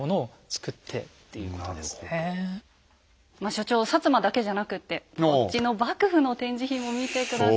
所長摩だけじゃなくってこっちの幕府の展示品も見て下さい。